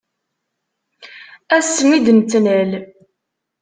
Ass-n i d-nettlal.